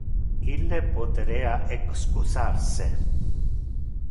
Ille poterea excusar se.